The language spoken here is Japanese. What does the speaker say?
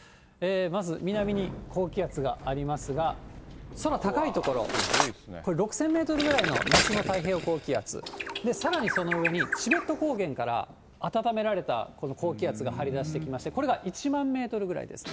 まず南に高気圧がありますが、空高い所、これ、６０００メートルぐらいの夏の太平洋高気圧、さらにその上にチベット高原から暖められたこの高気圧が張り出してきまして、これが１万メートルぐらいです。